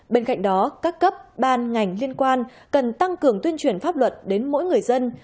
bên cạnh đó các cấp ban ngành liên quan cần tăng cường tuyên truyền pháp luật đến mỗi người dân